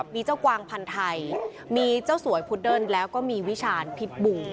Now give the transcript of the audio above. มีเจ้ากวางพันธ์ไทยมีเจ้าสวยพุดเดิ้ลแล้วก็มีวิชาณพิษบุง